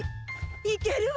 いけるわ！